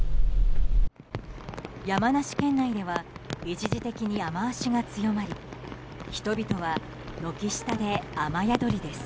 山梨県内では一時的に雨脚が強まり人々は軒下で雨宿りです。